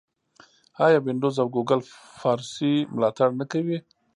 آیا وینډوز او ګوګل فارسي ملاتړ نه کوي؟